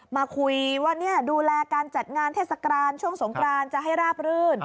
มาคุยว่าดูแลการจัดงานเทศกาลช่วงสงกรานจะให้ราบรื่น